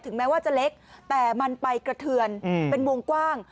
แม้ว่าจะเล็กแต่มันไปกระเทือนเป็นวงกว้าง